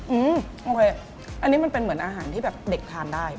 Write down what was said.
อืมโอเคอันนี้มันเป็นเหมือนอาหารที่แบบเด็กทานได้